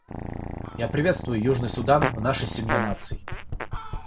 Я приветствую Южный Судан в нашей семье наций.